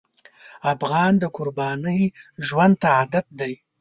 افغان د قربانۍ ژوند ته عادت دی.